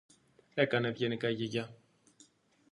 έκανε ευγενικά η Γιαγιά